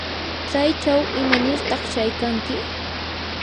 ¿tsaychaw imanirtaq shaykanki?